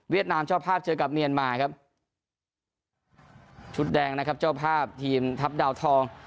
นามเจ้าภาพเจอกับเมียนมาครับชุดแดงนะครับเจ้าภาพทีมทัพดาวทอง